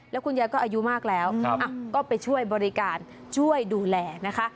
แล้วคุณยายก็อายุมากแล้วก็ไปช่วยบริการช่วยดูแลนะคะ